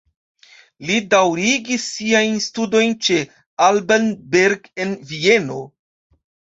Li daŭrigis siajn studojn ĉe Alban Berg en Vieno.